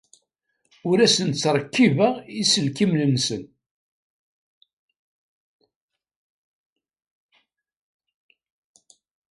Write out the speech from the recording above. Ur asen-ttṛekkibeɣ iselkimen-nsen.